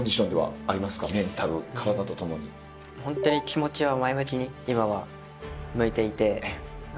ホントに気持ちは前向きに今は向いていて。